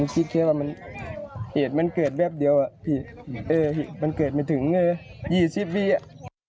ผมคิดแค่ว่าเหตุมันเกิดแบบเดียวอ่ะมันเกิดไม่ถึง๒๐ปีอ่ะ